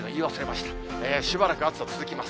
しばらく暑さ続きます。